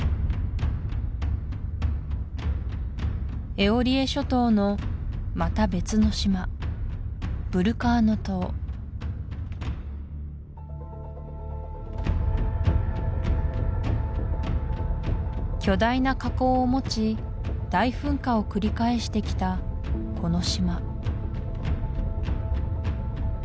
エオリエ諸島のまた別の島ブルカーノ島巨大な火口を持ち大噴火を繰り返してきたこの島